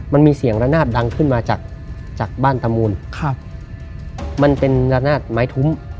มันมีเสียงระนาดดังขึ้นมาจากจากบ้านตามูนครับมันเป็นระนาดไม้ทุ้ม